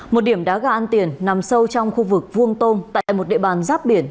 một điểm đá gà ăn tiền nằm sâu trong khu vực vuông tôm tại một địa bàn giáp biển